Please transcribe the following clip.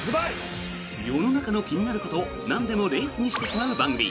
世の中の気になることをなんでもレースにしてしまう番組「＃